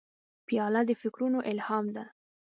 پیاله د فکرونو الهام ده.